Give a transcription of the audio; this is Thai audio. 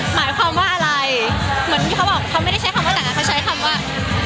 หมายความว่าอะไรเหมือนเขาบอกเขาไม่ได้ใช้คำว่าแต่งงานเขาใช้คำว่า